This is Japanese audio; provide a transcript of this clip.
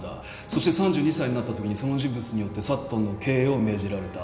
そして３２歳になったときにその人物によってサットンの経営を命じられた。